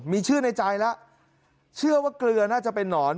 มีชื่อในใจแล้วเชื่อว่าเกลือน่าจะเป็นนอน